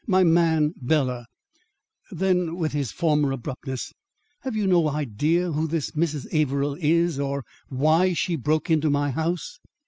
My man, Bela " Then with his former abruptness: "Have you no idea who this Mrs. Averill is, or why she broke into my house?"